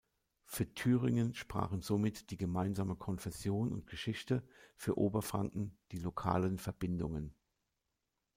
Für Thüringen sprachen somit die gemeinsame Konfession und Geschichte, für Oberfranken die lokalen Verbindungen.